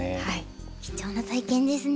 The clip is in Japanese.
貴重な体験ですね。